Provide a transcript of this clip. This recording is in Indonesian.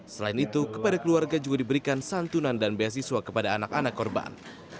selain itu kepada keluarga juga diberikan santunan dan beasiswa kepada anak anak korban